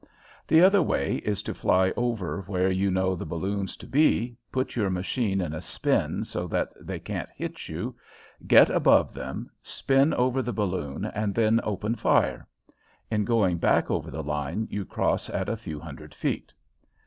The other way is to fly over where you know the balloons to be, put your machine in a spin so that they can't hit you, get above them, spin over the balloon, and then open fire. In going back over the line you cross at a few hundred feet.